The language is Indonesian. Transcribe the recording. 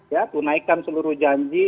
ya menunaikan seluruh janji